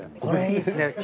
これいいですね。